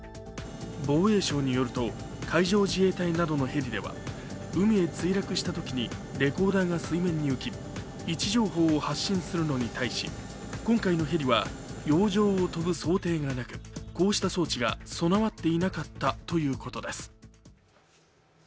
防衛省によると、海上自衛隊などのヘリでは海へ墜落したときにレコーダーが水面に浮き、位置情報を発信するのに対し今回のヘリは洋上を飛ぶ想定がなくこうした装置が備わっていなかったということです。